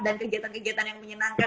dan kegiatan kegiatan yang menyenangkan